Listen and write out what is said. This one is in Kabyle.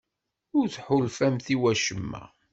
Ur tḥulfamt i wacemma?